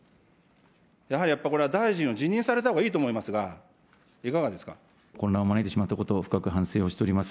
やはりやっぱりこれは大臣を辞任されたほうがいいと思いますが、混乱を招いてしまったことを深く反省をしております。